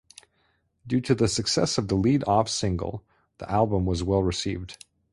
Due to the success of the lead-off single, the album was as well received.